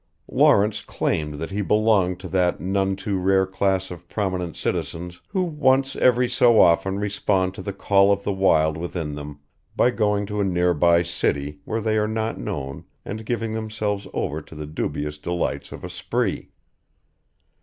Lawrence claimed that he belonged to that none too rare class of prominent citizens who once every so often respond to the call of the wild within them by going to a nearby city where they are not known and giving themselves over to the dubious delights of a spree.